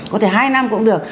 có thể hai năm cũng được